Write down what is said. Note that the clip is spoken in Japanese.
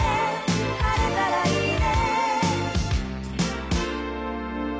「晴れたらいいね」